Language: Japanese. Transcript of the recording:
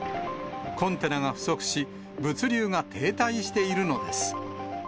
コンテナが不足し、物流が停滞しているのです。